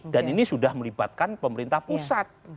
dan ini sudah melibatkan pemerintah pusat